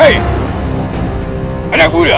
saat ini kita akan menangkap dia